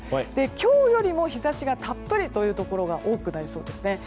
今日よりも日差しがたっぷりというところが多くなりそうです。